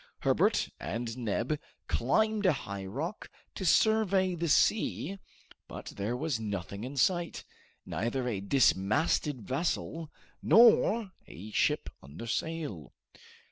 Herbert and Neb climbed a high rock to survey the sea, but there was nothing in sight neither a dismasted vessel nor a ship under sail.